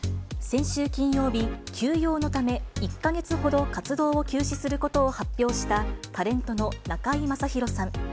先週金曜日、休養のため１か月ほど活動を休止することを発表した、タレントの中居正広さん。